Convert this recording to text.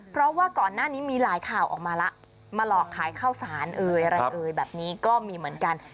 เพราะว่าก่อนหน้านี้มีหลายข่าวออกมาแล้วมาหลอกขายข้าวสารเอ่ยอะไรเอ่ยแบบนี้ก็มีเหมือนกัน